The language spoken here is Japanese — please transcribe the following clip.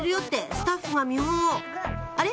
スタッフが見本をあれ？